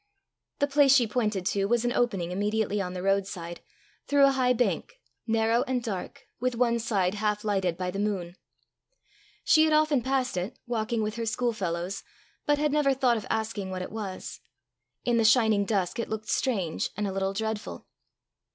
The place she pointed to was an opening immediately on the roadside, through a high bank narrow and dark, with one side half lighted by the moon. She had often passed it, walking with her school fellows, but had never thought of asking what it was. In the shining dusk it looked strange and a little dreadful.